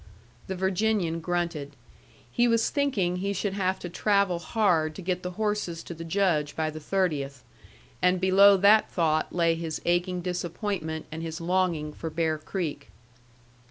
The Virginian grunted. He was thinking he should have to travel hard to get the horses to the Judge by the 30th; and below that thought lay his aching disappointment and his longing for Bear Creek.